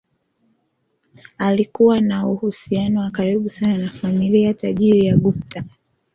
alikuwa na uhusiano wa karibu sana na familia tajiri ya gupta